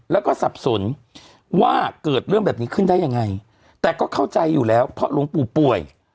แล้วก็สับสนว่าเกิดเรื่องแบบนี้ขึ้นได้ยังไงแต่ก็เข้าใจอยู่แล้วเพราะหลวงปู่ป่วย